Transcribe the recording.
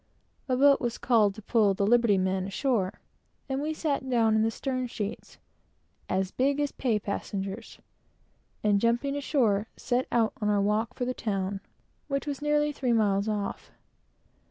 A boat was called to pull the "liberty men" ashore, and we sat down in the stern sheets, "as big as pay passengers," and jumping ashore, set out on our walk for the town, which was nearly three miles off.